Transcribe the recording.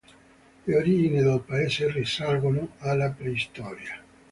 Le origini del paese risalgono alla preistoria.